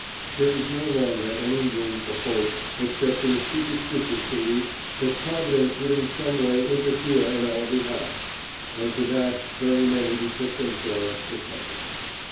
There was no longer any room for hope except in a superstitious belief that Providence would in some way interfere in our behalf, and to that very many betook themselves for comfort.